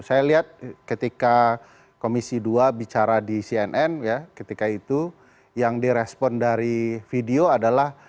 saya lihat ketika komisi dua bicara di cnn ketika itu yang direspon dari video adalah